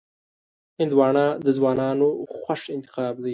هندوانه د ځوانانو خوښ انتخاب دی.